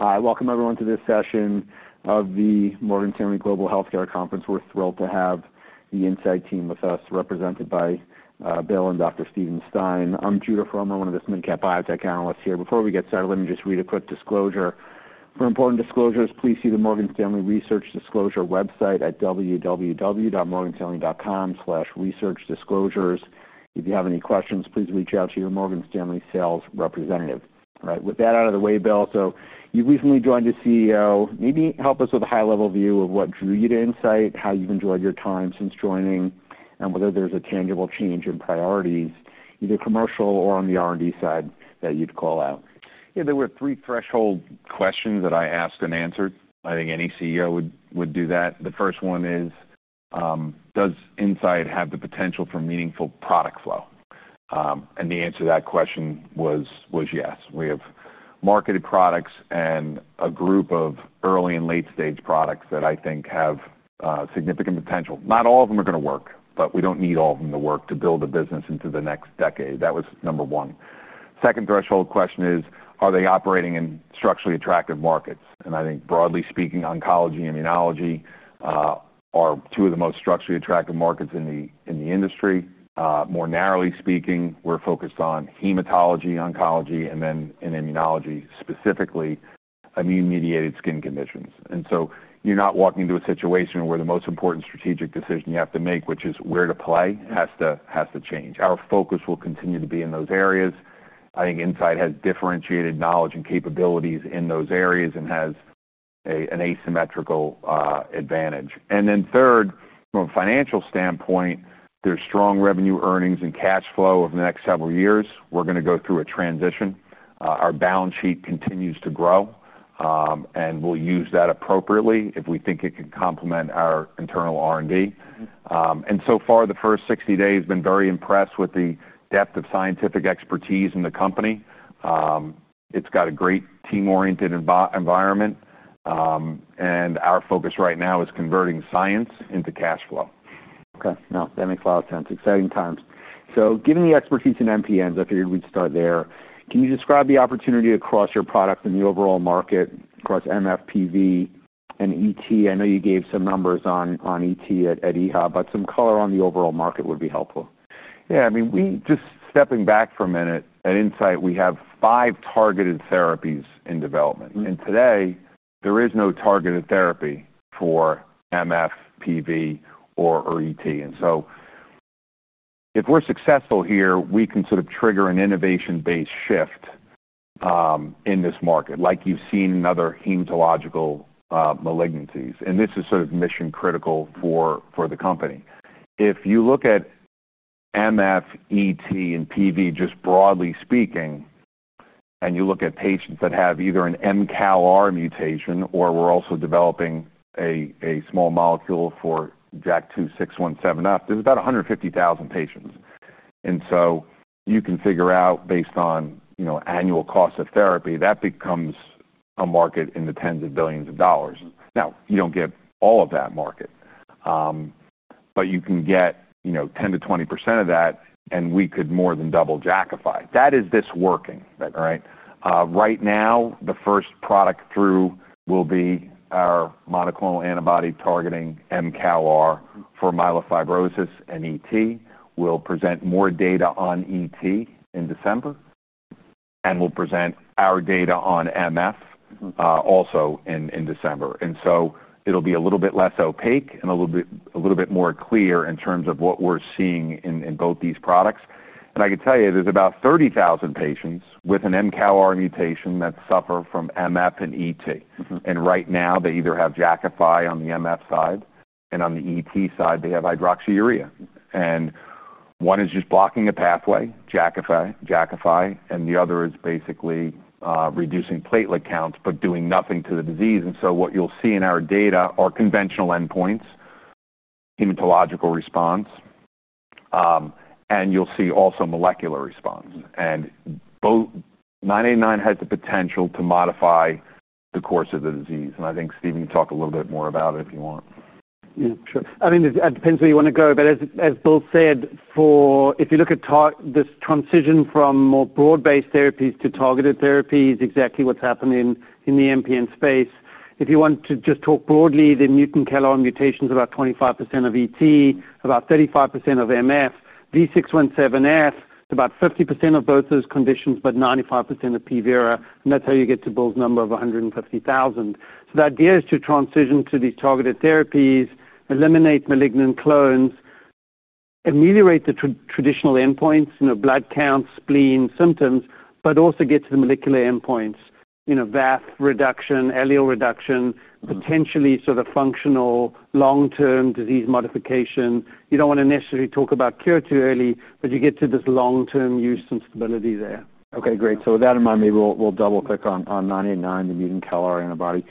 Hi, welcome everyone to this session of the Morgan Stanley Global Healthcare Conference. We're thrilled to have the Incyte team with us, represented by Bill and Dr. Steven Stein. I'm Judah Frommel, one of the biotech analysts here. Before we get started, let me just read a quick disclosure. For important disclosures, please see the Morgan Stanley Research Disclosure website at www.morganstanley.com/researchdisclosures. If you have any questions, please reach out to your Morgan Stanley sales representative. All right, with that out of the way, Bill, you've recently joined as CEO. Maybe help us with a high-level view of what drew you to Incyte, how you've enjoyed your time since joining, and whether there's a tangible change in priorities, either commercial or on the R&D side, that you'd call out. Yeah, there were three threshold questions that I asked and answered. I think any CEO would do that. The first one is, does Incyte have the potential for meaningful product flow? The answer to that question was yes. We have marketed products and a group of early and late-stage products that I think have significant potential. Not all of them are going to work, but we don't need all of them to work to build a business into the next decade. That was number one. Second threshold question is, are they operating in structurally attractive markets? I think broadly speaking, oncology and immunology are two of the most structurally attractive markets in the industry. More narrowly speaking, we're focused on hematology, oncology, and then in immunology, specifically immune-mediated skin conditions. You're not walking into a situation where the most important strategic decision you have to make, which is where to play, has to change. Our focus will continue to be in those areas. I think Incyte has differentiated knowledge and capabilities in those areas and has an asymmetrical advantage. Third, from a financial standpoint, there's strong revenue, earnings, and cash flow over the next several years. We're going to go through a transition. Our balance sheet continues to grow, and we'll use that appropriately if we think it can complement our internal R&D. So far, the first 60 days have been very impressed with the depth of scientific expertise in the company. It's got a great team-oriented environment, and our focus right now is converting science into cash flow. Okay. No, that makes a lot of sense. Exciting times. Given the expertise in MPNs, I figured we'd start there. Can you describe the opportunity across your product in the overall market, across MF, PV, and ET? I know you gave some numbers on ET at EHA, but some color on the overall market would be helpful. Yeah, I mean, just stepping back for a minute, at Incyte, we have five targeted therapies in development. Today, there is no targeted therapy for MF, PV, or ET. If we're successful here, we can sort of trigger an innovation-based shift in this market, like you've seen in other hematological malignancies. This is sort of mission-critical for the company. If you look at MF, ET, and PV, just broadly speaking, and you look at patients that have either an mCALR mutation or we're also developing a small molecule for JAK2 V617F, there's about 150,000 patients. You can figure out, based on annual cost of therapy, that becomes a market in the tens of billions of dollars. Now, you don't get all of that market, but you can get, you know, 10% to 20% of that, and we could more than double Jakafi. That is this working, right? Right now, the first product through will be our monoclonal antibody targeting mCALR for myelofibrosis and ET. We'll present more data on ET in December, and we'll present our data on MF also in December. It'll be a little bit less opaque and a little bit more clear in terms of what we're seeing in both these products. I can tell you, there's about 30,000 patients with an mCALR mutation that suffer from MF and ET. Right now, they either have Jakafi on the MF side, and on the ET side, they have hydroxyurea. One is just blocking a pathway, Jakafi, and the other is basically reducing platelet counts, but doing nothing to the disease. What you'll see in our data are conventional endpoints, hematological response, and you'll see also molecular response. Both 989 has the potential to modify the course of the disease. I think Steven can talk a little bit more about it if you want. Yeah, sure. I mean, it depends where you want to go. As Bill said, if you look at this transition from more broad-based therapies to targeted therapies, exactly what's happening in the MPN space. If you want to just talk broadly, the mutant CALR mutations are about 25% of ET, about 35% of MF, JAK2 V617F, it's about 50% of both those conditions, but 95% of PV. And that's how you get to Bill's number of 150,000. The idea is to transition to these targeted therapies, eliminate malignant clones, ameliorate the traditional endpoints, you know, blood counts, spleen symptoms, but also get to the molecular endpoints, you know, VAF reduction, allele reduction, potentially sort of functional long-term disease modification. You don't want to necessarily talk about cure too early, but you get to this long-term use and stability there. Okay, great. With that in mind, maybe we'll double-click on 989, the mutant CALR antibody.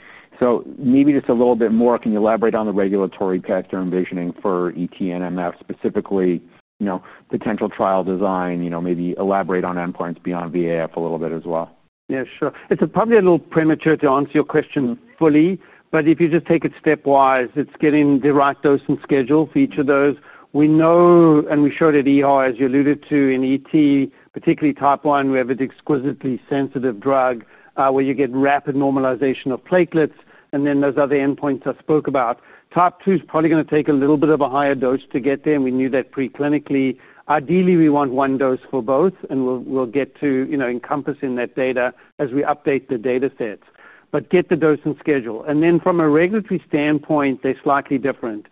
Maybe just a little bit more, can you elaborate on the regulatory vector envisioning for ET and MF, specifically, you know, potential trial design, maybe elaborate on endpoints beyond VAF a little bit as well? Yeah, sure. It's probably a little premature to answer your question fully. If you just take it stepwise, it's getting the right dose and schedule for each of those. We know, and we showed at EHA, as you alluded to, in essential thrombocythemia, particularly type 1, we have an exquisitely sensitive drug where you get rapid normalization of platelets, and then those other endpoints I spoke about. Type 2 is probably going to take a little bit of a higher dose to get there, and we knew that preclinically. Ideally, we want one dose for both, and we'll get to encompass in that data as we update the data sets. Get the dose and schedule. From a regulatory standpoint, they're slightly different.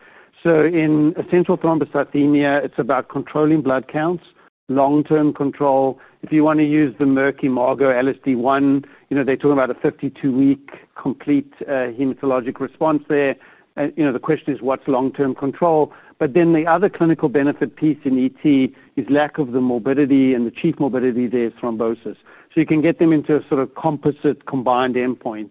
In essential thrombocythemia, it's about controlling blood counts, long-term control. If you want to use the murky Margo LSD1, they're talking about a 52-week complete hematologic response there. The question is, what's long-term control? The other clinical benefit piece in essential thrombocythemia is lack of the morbidity, and the chief morbidity there is thrombosis. You can get them into a sort of composite combined endpoint.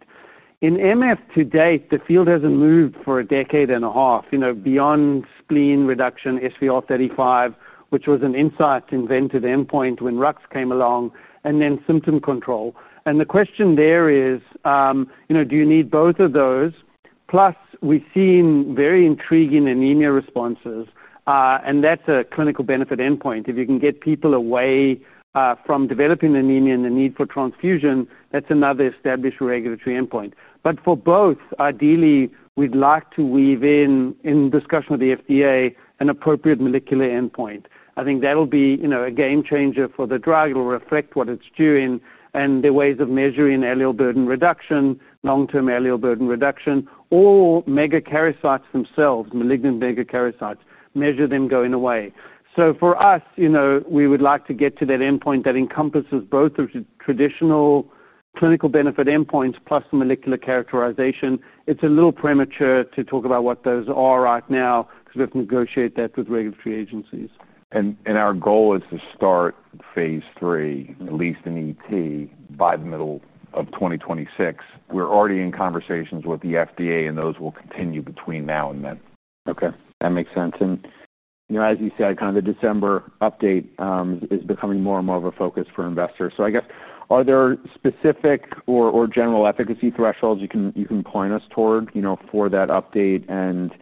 In myelofibrosis to date, the field hasn't moved for a decade and a half beyond spleen reduction, SVR35, which was an Incyte-invented endpoint when Rux came along, and then symptom control. The question there is, do you need both of those? Plus, we've seen very intriguing anemia responses, and that's a clinical benefit endpoint. If you can get people away from developing anemia and the need for transfusion, that's another established regulatory endpoint. For both, ideally, we'd like to weave in, in discussion with the FDA, an appropriate molecular endpoint. I think that'll be a game changer for the drug. It'll reflect what it's doing and the ways of measuring allele burden reduction, long-term allele burden reduction, or megakaryocytes themselves, malignant megakaryocytes, measure them going away. For us, we would like to get to that endpoint that encompasses both the traditional clinical benefit endpoints plus the molecular characterization. It's a little premature to talk about what those are right now because we have to negotiate that with regulatory agencies. Our goal is to start phase 3, at least in essential thrombocythemia, by the middle of 2026. We're already in conversations with the FDA, and those will continue between now and then. Okay. That makes sense. As you said, kind of the December update is becoming more and more of a focus for investors. I guess, are there specific or general efficacy thresholds you can point us toward for that update?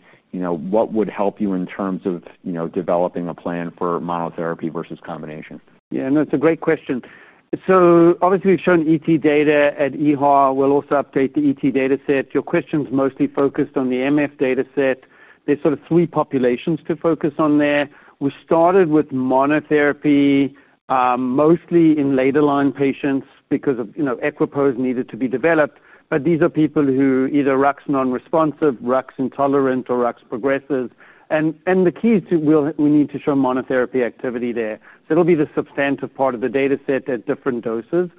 What would help you in terms of developing a plan for monotherapy versus combination? Yeah, no, it's a great question. Obviously, we've shown ET data at EHA. We'll also update the ET data set. Your question's mostly focused on the MF data set. There are sort of three populations to focus on there. We started with monotherapy, mostly in later line patients because EQUIPOS needed to be developed. These are people who are either Rux non-responsive, Rux intolerant, or Rux progressive. The key is we need to show monotherapy activity there, so it'll be the substantive part of the data set at different doses.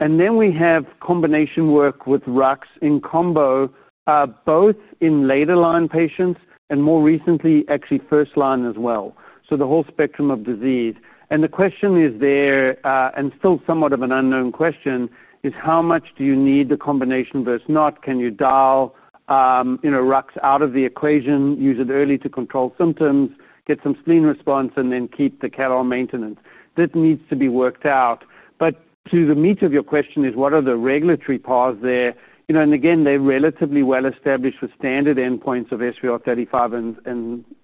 Then we have combination work with Rux in combo, both in later line patients and more recently, actually, first line as well, so the whole spectrum of disease. The question is there, and still somewhat of an unknown question, is how much do you need the combination versus not. Can you dial Rux out of the equation, use it early to control symptoms, get some spleen response, and then keep the mCALR maintenance? This needs to be worked out. To the meat of your question, what are the regulatory paths there? Again, they're relatively well established with standard endpoints of SVR35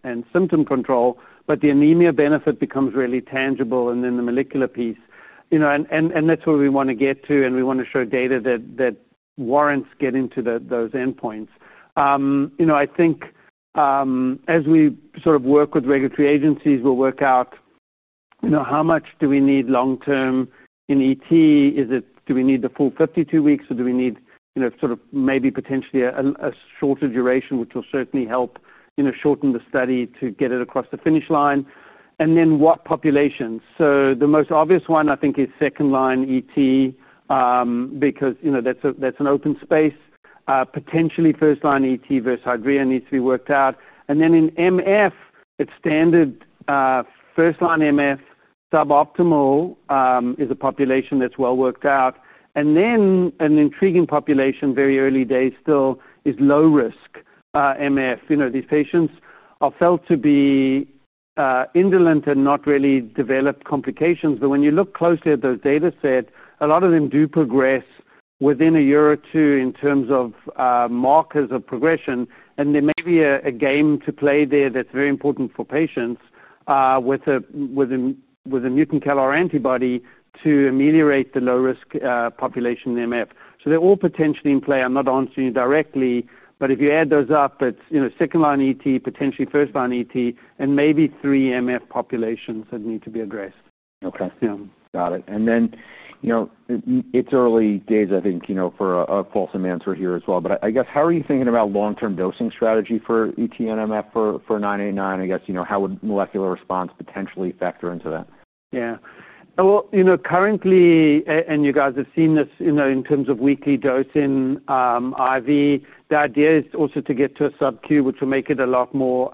and symptom control, but the anemia benefit becomes really tangible and then the molecular piece. That's where we want to get to, and we want to show data that warrants getting to those endpoints. I think, as we sort of work with regulatory agencies, we'll work out how much do we need long-term in ET. Is it, do we need the full 52 weeks, or do we need maybe potentially a shorter duration, which will certainly help shorten the study to get it across the finish line? Then what populations? The most obvious one, I think, is second line ET, because that's an open space. Potentially, first line ET versus Hydrea needs to be worked out. In MF, it's standard, first line MF. Suboptimal is a population that's well worked out. An intriguing population, very early days still, is low-risk MF. These patients are felt to be indolent and not really develop complications, but when you look closely at those data sets, a lot of them do progress within a year or two in terms of markers of progression. There may be a game to play there that's very important for patients with a mutant CALR antibody to ameliorate the low-risk population in MF. They're all potentially in play. I'm not answering you directly, but if you add those up, it's second line ET, potentially first line ET, and maybe three MF populations that need to be addressed. Okay. Yeah, got it. It's early days, I think, for a fulsome answer here as well. I guess, how are you thinking about long-term dosing strategy for ET and MF for 989? I guess, how would molecular response potentially factor into that? Yeah. You know, currently, and you guys have seen this, in terms of weekly dosing, IV, the idea is also to get to a sub-Q, which will make it a lot more,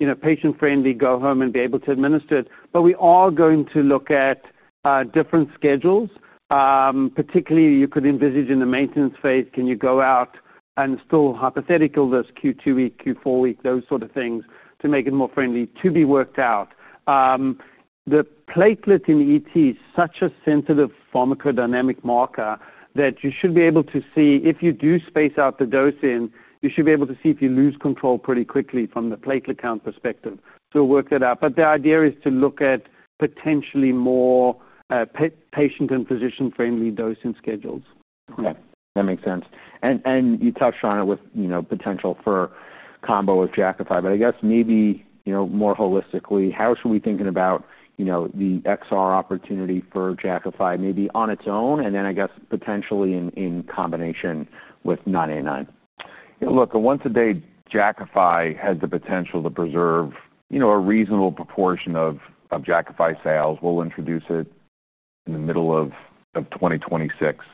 you know, patient-friendly, go home, and be able to administer it. We are going to look at different schedules. Particularly, you could envisage in the maintenance phase, can you go out and still, hypothetically, dose Q2 week, Q4 week, those sort of things to make it more friendly to be worked out. The platelet in ET is such a sensitive pharmacodynamic marker that you should be able to see if you do space out the dosing, you should be able to see if you lose control pretty quickly from the platelet count perspective. We'll work that out. The idea is to look at potentially more patient and physician-friendly dosing schedules. Okay. That makes sense. You touched on it with, you know, potential for combo with Jakafi XR. I guess, maybe, you know, more holistically, how should we be thinking about, you know, the XR opportunity for Jakafi, maybe on its own, and then I guess potentially in combination with 989? Yeah, look, a once-a-day Jakafi XR has the potential to preserve, you know, a reasonable proportion of Jakafi sales. We'll introduce it in the middle of 2026.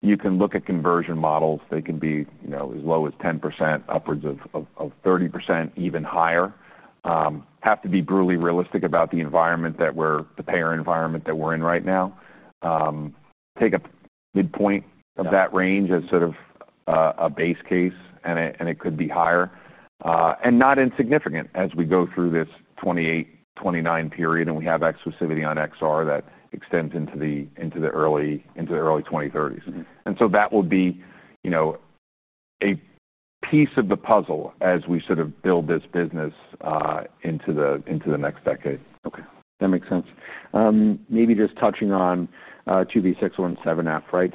You can look at conversion models. They can be, you know, as low as 10%, upwards of 30%, even higher. You have to be brutally realistic about the environment that we're in, the payer environment that we're in right now. Take a midpoint of that range as sort of a base case, and it could be higher and not insignificant as we go through this 2028, 2029 period, and we have exclusivity on XR that extends into the early 2030s. That will be, you know, a piece of the puzzle as we sort of build this business into the next decade. Okay. That makes sense. Maybe just touching on JAK2 V617F, right?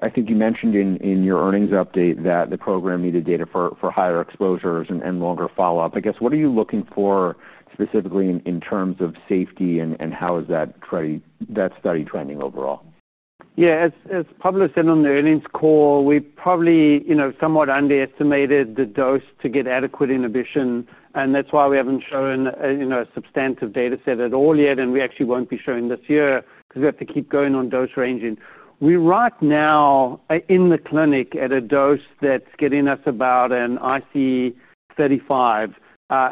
I think you mentioned in your earnings update that the program needed data for higher exposures and longer follow-up. I guess, what are you looking for specifically in terms of safety, and how is that study trending overall? Yeah, as Pablo said on the earnings call, we probably, you know, somewhat underestimated the dose to get adequate inhibition. That's why we haven't shown, you know, a substantive data set at all yet. We actually won't be showing this year because we have to keep going on dose ranging. We're right now in the clinic at a dose that's getting us about an IC35,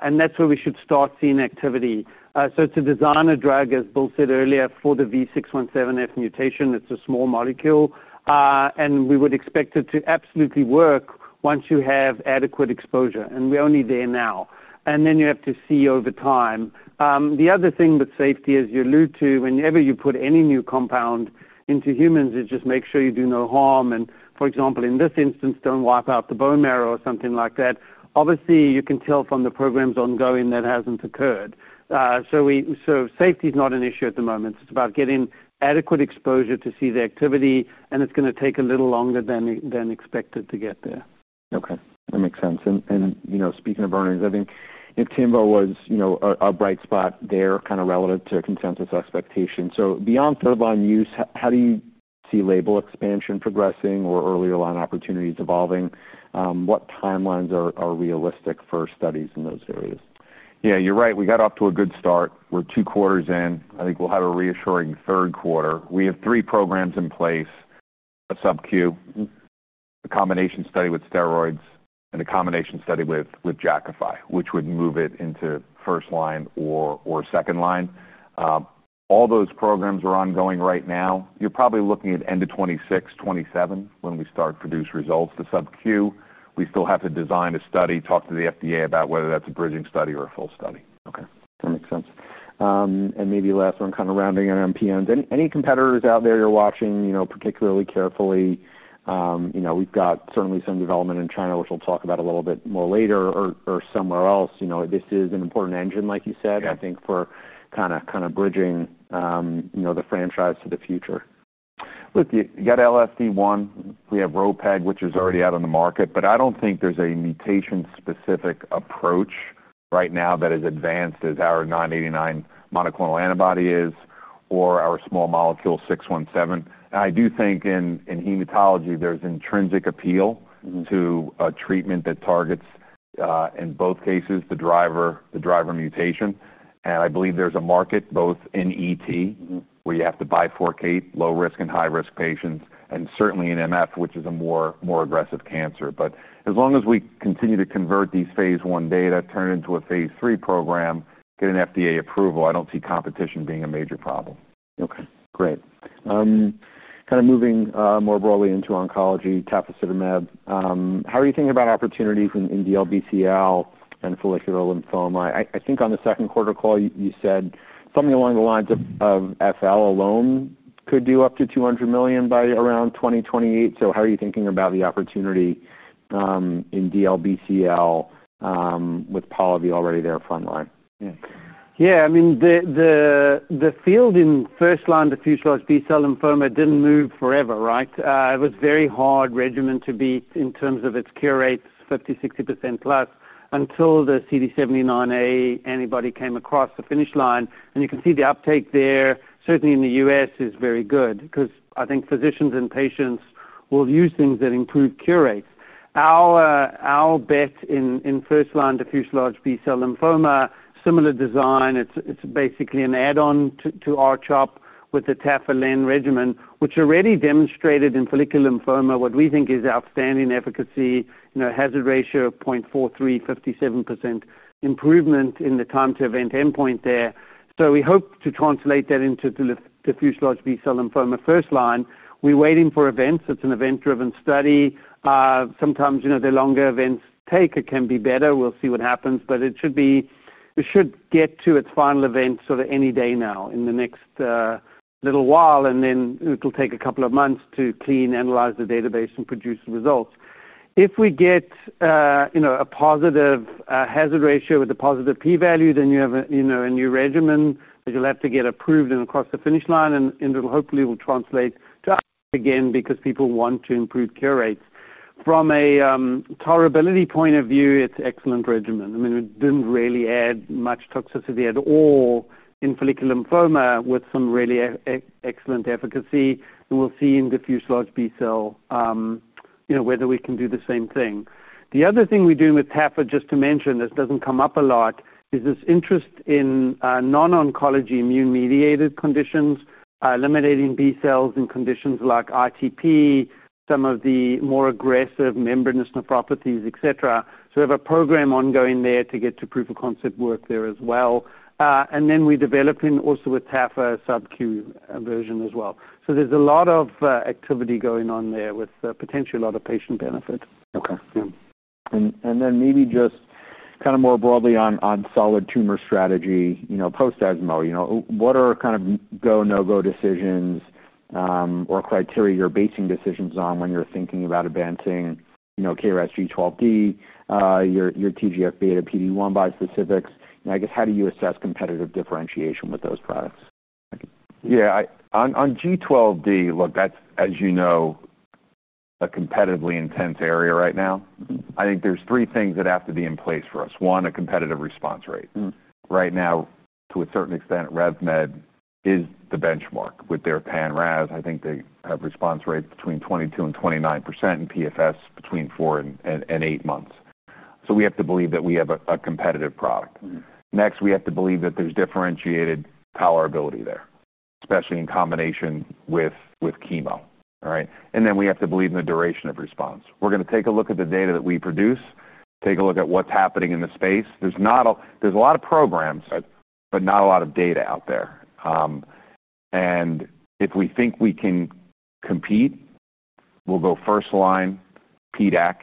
and that's where we should start seeing activity. It's a designer drug, as Bill said earlier, for the V617F mutation. It's a small molecule, and we would expect it to absolutely work once you have adequate exposure. We're only there now, and then you have to see over time. The other thing with safety is you allude to whenever you put any new compound into humans, you just make sure you do no harm. For example, in this instance, don't wipe out the bone marrow or something like that. Obviously, you can tell from the program's ongoing that it hasn't occurred. Safety is not an issue at the moment. It's about getting adequate exposure to see the activity, and it's going to take a little longer than expected to get there. Okay. That makes sense. Speaking of earnings, I think Monjuvi was a bright spot there, kind of relative to consensus expectation. Beyond third-line use, how do you see label expansion progressing or earlier line opportunities evolving? What timelines are realistic for studies in those areas? Yeah, you're right. We got off to a good start. We're two quarters in. I think we'll have a reassuring third quarter. We have three programs in place: a sub-Q, a combination study with steroids, and a combination study with Jakafi XR, which would move it into first line or second line. All those programs are ongoing right now. You're probably looking at end of 2026, 2027 when we start to produce results to sub-Q. We still have to design a study, talk to the FDA about whether that's a bridging study or a full study. Okay. That makes sense. Maybe last one, kind of rounding on MPNs. Any competitors out there you're watching, you know, particularly carefully? We've got certainly some development in China, which we'll talk about a little bit more later, or somewhere else. This is an important engine, like you said, I think, for kind of bridging the franchise to the future. Look, you got LFD1. We have Ropeg, which is already out on the market. I don't think there's a mutation-specific approach right now that is as advanced as our 989 monoclonal antibody is or our small molecule 617. I do think in hematology, there's intrinsic appeal to a treatment that targets, in both cases, the driver mutation. I believe there's a market both in ET, where you have to bifurcate low-risk and high-risk patients, and certainly in MF, which is a more aggressive cancer. As long as we continue to convert these phase 1 data, turn it into a phase 3 program, get an FDA approval, I don't see competition being a major problem. Okay. Great. Kind of moving more broadly into oncology, Monjuvi. How are you thinking about opportunities in DLBCL and follicular lymphoma? I think on the second quarter call, you said something along the lines of FL alone could do up to $200 million by around 2028. How are you thinking about the opportunity in DLBCL, with Monjuvi already there at front line? Yeah, I mean, the field in first line diffuse large B-cell lymphoma didn't move forever, right? It was a very hard regimen to beat in terms of its cure rates, 50%, 60% plus, until the CD79A antibody came across the finish line. You can see the uptake there, certainly in the U.S., is very good because I think physicians and patients will use things that improve cure rates. Our bet in first line diffuse large B-cell lymphoma, similar design, it's basically an add-on to RCHOP with the Monjuvi regimen, which already demonstrated in follicular lymphoma what we think is outstanding efficacy, you know, hazard ratio of 0.43, 57% improvement in the time-to-event endpoint there. We hope to translate that into diffuse large B-cell lymphoma first line. We're waiting for events. It's an event-driven study. Sometimes, you know, the longer events take, it can be better. We'll see what happens. It should get to its final event sort of any day now in the next little while. It will take a couple of months to clean and analyze the database and produce the results. If we get a positive hazard ratio with a positive p-value, then you have a new regimen that you'll have to get approved and across the finish line. It will hopefully translate to us again because people want to improve cure rates. From a tolerability point of view, it's an excellent regimen. I mean, we didn't really add much toxicity at all in follicular lymphoma with some really excellent efficacy. We'll see in diffuse large B-cell, you know, whether we can do the same thing. The other thing we're doing with Monjuvi, just to mention, this doesn't come up a lot, is this interest in non-oncology immune-mediated conditions, eliminating B-cells in conditions like ITP, some of the more aggressive membranous nephropathies, et cetera. We have a program ongoing there to get to proof of concept work there as well. We're developing also with Monjuvi a sub-Q version as well. There's a lot of activity going on there with potentially a lot of patient benefit. Okay. Yeah. Maybe just kind of more broadly on solid tumor strategy, you know, post-asthma, what are kind of go-no-go decisions or criteria you're basing decisions on when you're thinking about advancing, you know, KRAS G12D, your TGF-beta/PD-1 bispecifics? I guess, how do you assess competitive differentiation with those products? Yeah, on G12D, look, that's, as you know, a competitively intense area right now. I think there's three things that have to be in place for us. One, a competitive response rate. Right now, to a certain extent, RevMed is the benchmark with their PAN-RAS. I think they have a response rate between 22% and 29% and PFS between four and eight months. We have to believe that we have a competitive product. Next, we have to believe that there's differentiated tolerability there, especially in combination with chemo. All right? We have to believe in the duration of response. We're going to take a look at the data that we produce, take a look at what's happening in the space. There's a lot of programs, but not a lot of data out there. If we think we can compete, we'll go first line, PDAC,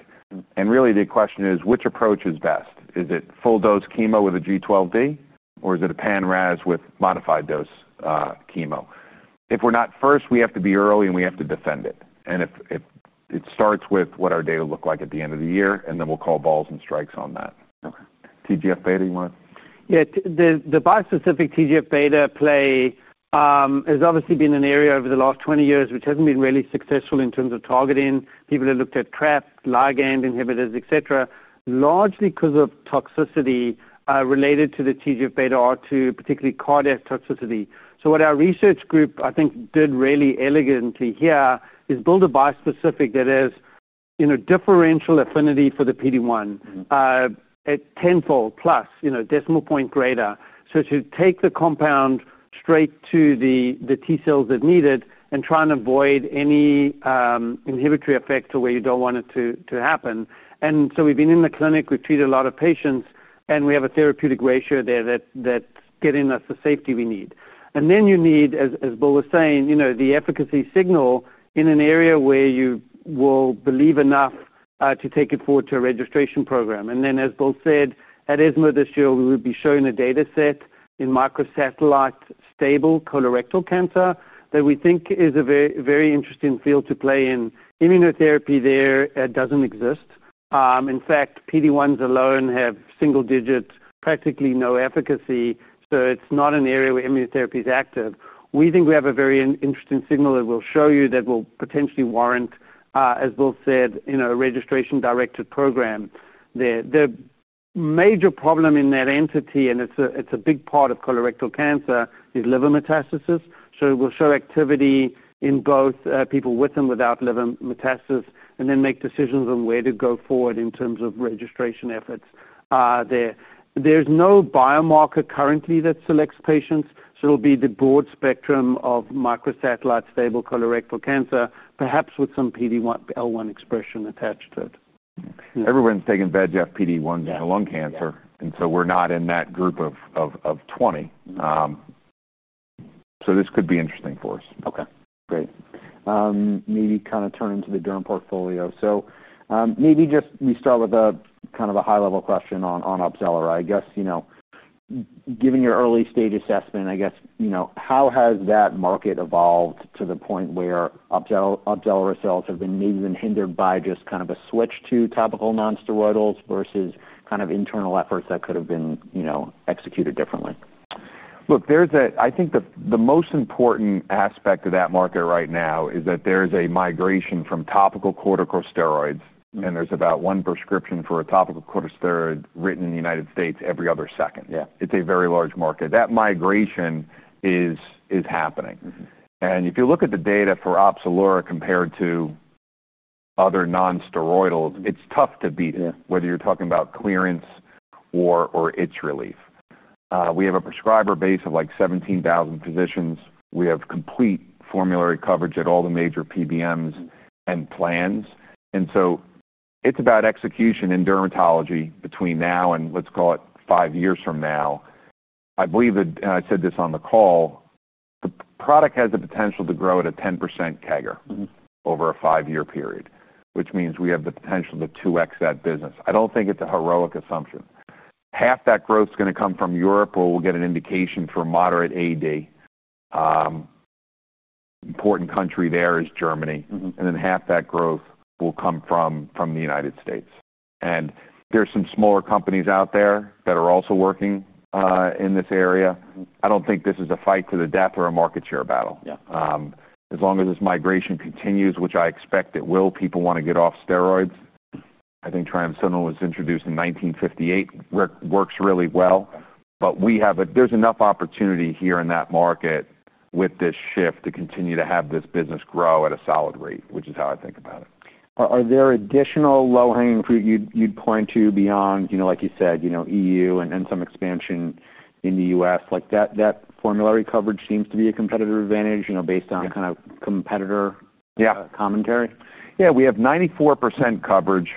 and really the question is, which approach is best? Is it full-dose chemo with a G12D, or is it a PAN-RAS with modified dose chemo? If we're not first, we have to be early and we have to defend it. It starts with what our data look like at the end of the year, and then we'll call balls and strikes on that. Okay. TGF-beta, you want to? Yeah, the bispecific TGF-beta play has obviously been an area over the last 20 years which hasn't been really successful in terms of targeting. People have looked at TGF-beta ligand inhibitors, et cetera, largely because of toxicity related to the TGF-beta R2, particularly cardiac toxicity. What our research group, I think, did really elegantly here is build a bispecific that has, you know, differential affinity for the PD-1, at tenfold plus, you know, decimal point greater. To take the compound straight to the T cells that need it and try and avoid any inhibitory effects to where you don't want it to happen. We've been in the clinic, we've treated a lot of patients, and we have a therapeutic ratio there that's getting us the safety we need. You need, as Bill was saying, you know, the efficacy signal in an area where you will believe enough to take it forward to a registration program. As Bill said, at ESMO this year, we will be showing a data set in microsatellite stable colorectal cancer that we think is a very, very interesting field to play in. Immunotherapy there doesn't exist. In fact, PD-1s alone have single-digit, practically no efficacy. It's not an area where immunotherapy is active. We think we have a very interesting signal that we'll show you that will potentially warrant, as Bill said, you know, a registration-directed program there. The major problem in that entity, and it's a big part of colorectal cancer, is liver metastasis. We'll show activity in both people with and without liver metastasis, and then make decisions on where to go forward in terms of registration efforts there. There's no biomarker currently that selects patients. It'll be the broad spectrum of microsatellite stable colorectal cancer, perhaps with some PD-L1 expression attached to it. Everyone's taken VEGF PD-1s for lung cancer. We're not in that group of 20. This could be interesting for us. Okay. Great. Maybe kind of turn into the derm portfolio. Maybe just we start with a kind of a high-level question on Opzelura. I guess, you know, given your early-stage assessment, I guess, you know, how has that market evolved to the point where Opzelura sales have been maybe even hindered by just kind of a switch to topical non-steroidals versus kind of internal efforts that could have been, you know, executed differently? Look, I think the most important aspect of that market right now is that there is a migration from topical corticosteroids, and there's about one prescription for a topical corticosteroid written in the U.S. every other second. Yeah, it's a very large market. That migration is happening. If you look at the data for Opzelura compared to other non-steroidals, it's tough to beat it, whether you're talking about clearance or itch relief. We have a prescriber base of like 17,000 physicians. We have complete formulary coverage at all the major PBMs and plans. It's about execution in dermatology between now and let's call it five years from now. I believe that, and I said this on the call, the product has the potential to grow at a 10% CAGR over a five-year period, which means we have the potential to 2X that business. I don't think it's a heroic assumption. Half that growth is going to come from Europe, or we'll get an indication for moderate AD. An important country there is Germany. Half that growth will come from the U.S. There's some smaller companies out there that are also working in this area. I don't think this is a fight to the death or a market share battle. Yeah, as long as this migration continues, which I expect it will, people want to get off steroids. I think triamcinolone was introduced in 1958. It works really well. There's enough opportunity here in that market with this shift to continue to have this business grow at a solid rate, which is how I think about it. Are there additional low-hanging fruit you'd point to beyond, you know, like you said, you know, EU and some expansion in the U.S.? Like that formulary coverage seems to be a competitive advantage, you know, based on kind of competitor commentary. Yeah, we have 94% coverage.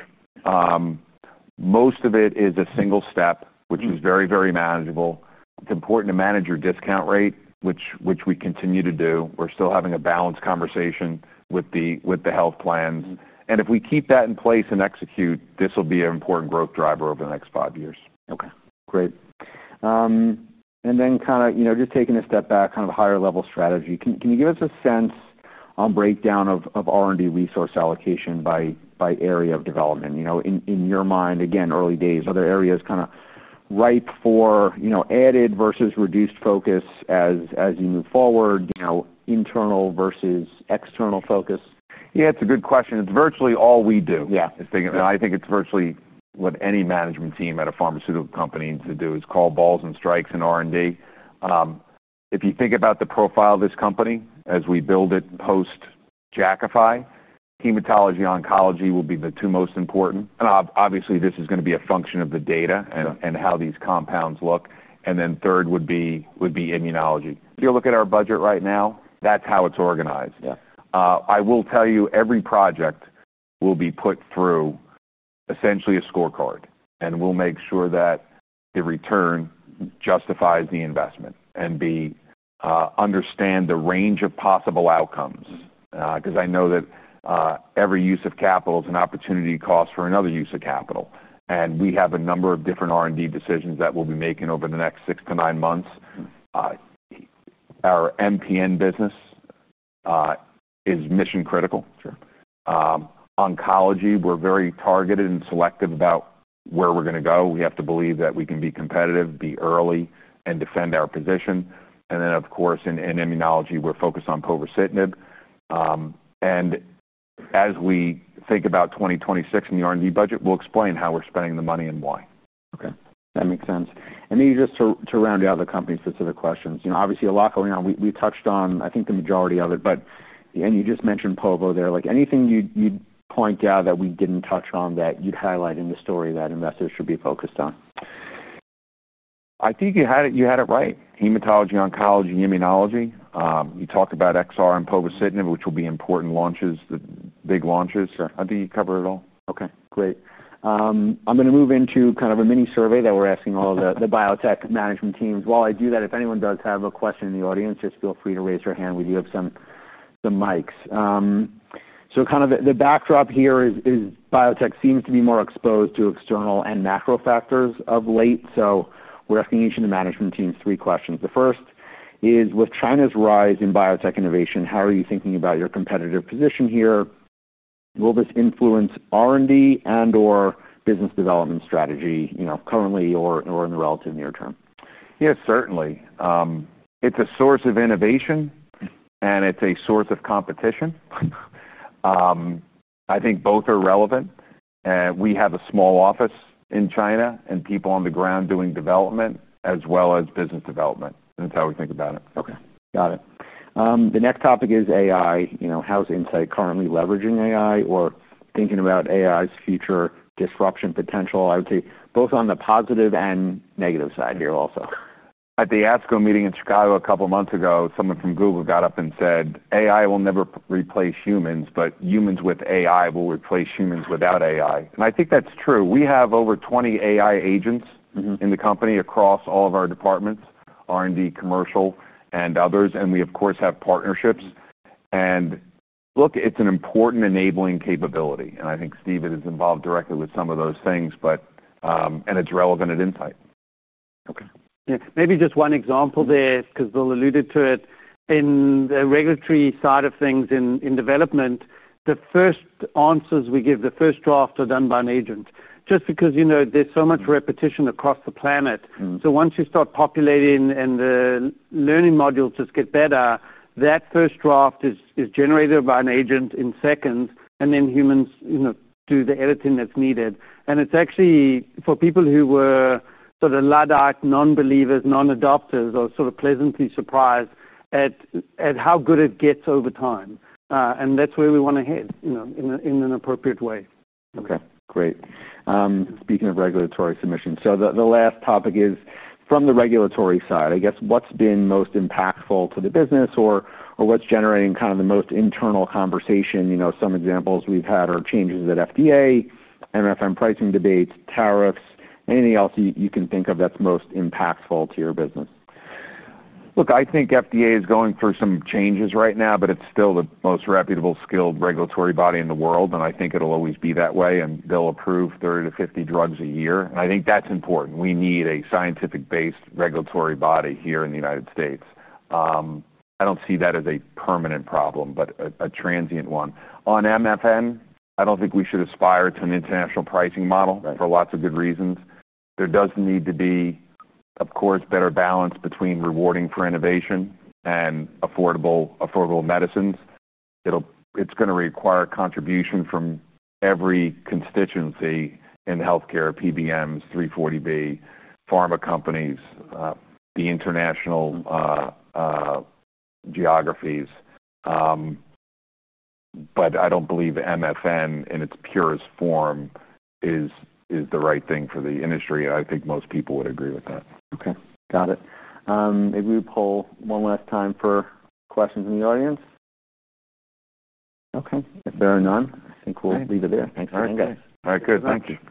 Most of it is a single step, which is very, very manageable. It's important to manage your discount rate, which we continue to do. We're still having a balanced conversation with the health plans. If we keep that in place and execute, this will be an important growth driver over the next five years. Okay. Great. Taking a step back, kind of higher-level strategy, can you give us a sense on the breakdown of R&D resource allocation by area of development? In your mind, again, early days, are there areas kind of ripe for added versus reduced focus as you move forward, internal versus external focus? Yeah, it's a good question. It's virtually all we do. I think it's virtually what any management team at a pharmaceutical company needs to do is call balls and strikes in R&D. If you think about the profile of this company as we build it post-Jakafi, hematology-oncology will be the two most important. Obviously, this is going to be a function of the data and how these compounds look. Third would be immunology. If you look at our budget right now, that's how it's organized. I will tell you every project will be put through essentially a scorecard. We'll make sure that the return justifies the investment and understands the range of possible outcomes. I know that every use of capital is an opportunity cost for another use of capital. We have a number of different R&D decisions that we'll be making over the next six to nine months. Our MPN business is mission-critical. Oncology, we're very targeted and selective about where we're going to go. We have to believe that we can be competitive, be early, and defend our position. Of course, in immunology, we're focused on povorcitinib. As we think about 2026 in the R&D budget, we'll explain how we're spending the money and why. Okay. That makes sense. Maybe just to round out the company-specific questions, obviously, a lot going on. We touched on, I think, the majority of it, but you just mentioned Povo there. Anything you'd point out that we didn't touch on that you'd highlight in the story that investors should be focused on? I think you had it, you had it right. Hematology-oncology, immunology. You talked about XR and povorcitinib, which will be important launches, the big launches. I think you covered it all. Okay. Great. I'm going to move into kind of a mini-survey that we're asking all of the biotech management teams. While I do that, if anyone does have a question in the audience, just feel free to raise your hand. We do have some of the mics. The backdrop here is biotech seems to be more exposed to external and macro factors of late. We're asking each of the management teams three questions. The first is, with China's rise in biotech innovation, how are you thinking about your competitive position here? Will this influence R&D and/or business development strategy, you know, currently or in the relative near term? Yeah, certainly. It's a source of innovation, and it's a source of competition. I think both are relevant. We have a small office in China and people on the ground doing development as well as business development. That's how we think about it. Okay. Got it. The next topic is AI. How's Incyte currently leveraging AI or thinking about AI's future disruption potential? I would say both on the positive and negative side here also. At the ASCO meeting in Chicago a couple of months ago, someone from Google got up and said, "AI will never replace humans, but humans with AI will replace humans without AI." I think that's true. We have over 20 AI agents in the company across all of our departments, R&D, commercial, and others. We, of course, have partnerships. It's an important enabling capability. I think Dr. Steven Stein is involved directly with some of those things, and it's relevant at Incyte Corporation. Okay. Yeah, maybe just one example there, because Bill alluded to it. In the regulatory side of things in development, the first answers we give, the first draft are done by an agent, just because there's so much repetition across the planet. Once you start populating and the learning modules just get better, that first draft is generated by an agent in seconds, and then humans do the editing that's needed. It's actually for people who were sort of, you know, non-believers, non-adopters, are sort of pleasantly surprised at how good it gets over time. That's where we want to head, you know, in an appropriate way. Okay. Great. Speaking of regulatory submission, the last topic is from the regulatory side. I guess what's been most impactful to the business or what's generating kind of the most internal conversation? Some examples we've had are changes at FDA, MFM pricing debates, tariffs, anything else you can think of that's most impactful to your business? Look, I think FDA is going through some changes right now, but it's still the most reputable, skilled regulatory body in the world. I think it'll always be that way. They'll approve 30 to 50 drugs a year, and I think that's important. We need a scientific-based regulatory body here in the U.S. I don't see that as a permanent problem, but a transient one. On MFM, I don't think we should aspire to an international pricing model for lots of good reasons. There does need to be, of course, better balance between rewarding for innovation and affordable medicines. It's going to require contribution from every constituency in healthcare, PBMs, 340B, pharma companies, the international geographies. I don't believe MFM in its purest form is the right thing for the industry, and I think most people would agree with that. Okay. Got it. Maybe we would pull one last time for questions from the audience. Okay. If there are none, I think we'll leave it there. Thanks, Mark. All right. Good. Thank you.